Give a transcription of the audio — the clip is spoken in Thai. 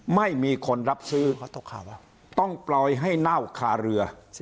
ไม่มีคนรับซื้อต้องปล่อยให้เน่าคาเรือ